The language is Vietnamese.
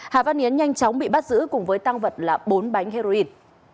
hà văn yến nhanh chóng bị bắt giữ cùng với tăng vật là bốn bánh heroin